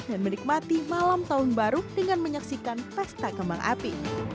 dan menikmati malam tahun baru dengan menyaksikan pesta kembang api